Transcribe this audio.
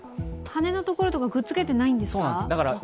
羽のところとか、くっつけていないんですか？